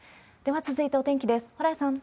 では続いて、お天気です。